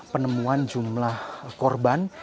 penemuan jumlah korban